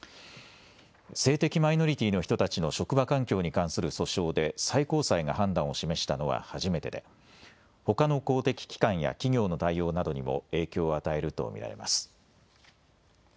性的マイノリティーの人たちの職場環境に関する訴訟で最高裁が判断を示したのは初めてでほかの公的機関や企業の対応などにも影響を与えると見られます。